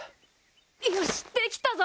よしできたぞ！